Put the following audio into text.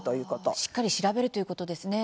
しっかり調べるということですね。